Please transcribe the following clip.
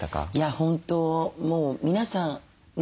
本当もう皆さんね